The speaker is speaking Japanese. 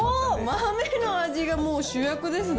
豆の味がもうもう主役ですね。